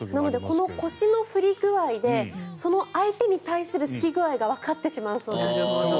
腰の振り具合でその相手に対する好き具合がわかってしまうそうなんです。